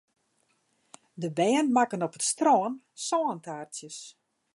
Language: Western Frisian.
De bern makken op it strân sântaartsjes.